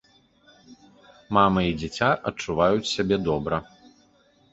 Мама і дзіця адчуваюць сябе добра.